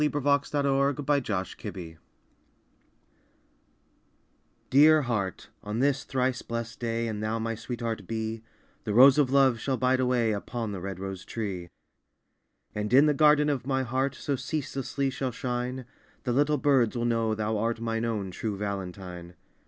A VALENTINE TO A LITTLE CHILD Dear heart, on this thrice blessed day, An thou my sweetheart be, The rose of love shall bide alway Upon the red rose tree. And in the garden of my heart So ceaselessly shall shine, The little birds will know thou art Mine own true Valentine.